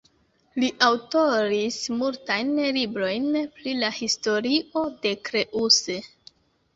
Li aŭtoris multajn librojn pri la historio de Creuse.